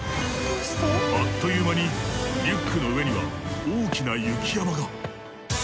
あっという間にリュックの上には大きな雪山が。